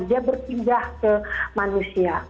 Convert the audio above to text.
dia berpindah ke manusia